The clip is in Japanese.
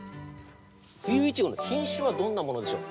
冬イチゴの品種はどんなものでしょう？